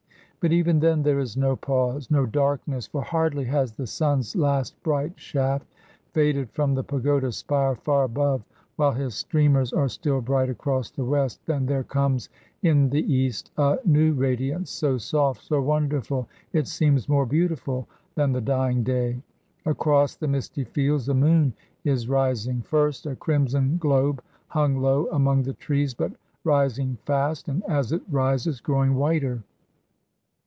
But even then there is no pause, no darkness, for hardly has the sun's last bright shaft faded from the pagoda spire far above, while his streamers are still bright across the west, than there comes in the east a new radiance, so soft, so wonderful, it seems more beautiful than the dying day. Across the misty fields the moon is rising; first a crimson globe hung low among the trees, but rising fast, and as it rises growing whiter.